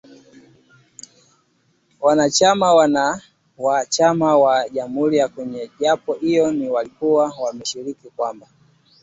Wanachama wa wa chama wa jamhuri kwenye jopo hilo walikuwa wameashiria kwamba